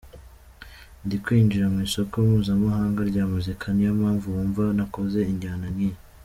Ndi kwinjira mu isoko mpuzamahanga rya muzika, niyo mpamvu wumva nakoze injyana nk’iyi.